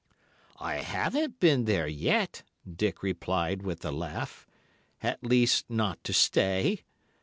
"I haven't been there yet," Dick replied with a laugh; "at least, not to stay.